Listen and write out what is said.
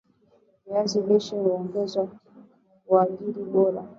viazi lishe huongeza ukuaji bora